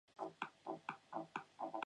也发现一些问题